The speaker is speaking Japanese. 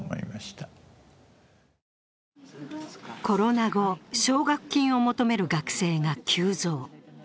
コロナ後、奨学金を求める学生が急増。